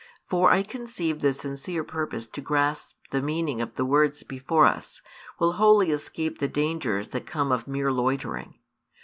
For I conceive the sincere purpose to grasp the meaning of the words before us, will wholly escape the dangers that come of mere loitering.